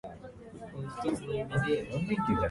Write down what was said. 見たことがない別世界の植物